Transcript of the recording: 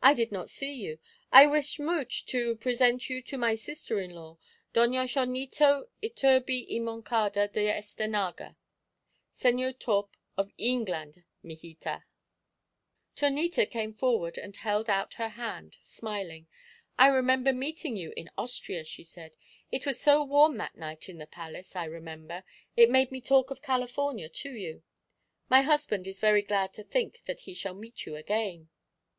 I not did see you. I wish mooch to present you to my sister in law Doña Chonita Iturbi y Moncada de Estenega, Señor Torp of Eengland, mijita." Chonita came forward and held out her hand, smiling. "I remember meeting you in Austria," she said. "It was so warm that night in the palace, I remember, it made me talk of California to you. My husband is very glad to think that he shall meet you again."